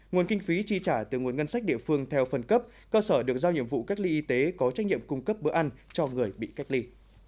nguồn kinh phí chi trả từ nguồn ngân sách địa phương theo phần cấp cơ sở được giao nhiệm vụ cách ly y tế có trách nhiệm cung cấp bữa ăn cho người bị cách ly